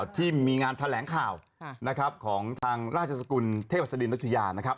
ที่มีงานแถลงข่าวนะครับของทางราชสกุลเทพศดินนัทยานะครับ